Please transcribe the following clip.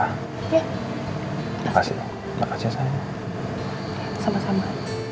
ya terima kasih terima kasih sayang sama sama